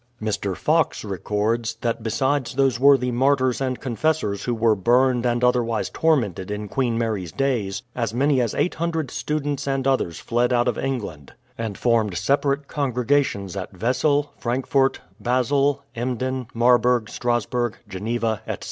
Mr. Fox records, that besides those worthy martyrs and confessors who were burned and otherwise tormented in Queen Mary's days, as many as 800 students and others fled out of England, and formed separate congregations at Wesel, Frankfort, Basel, Emden, Marburg, Strasburg, Geneva, etc.